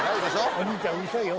お兄ちゃんうるさいよ。